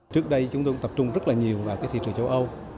trước đây chúng tôi tập trung rất là nhiều vào thị trường châu âu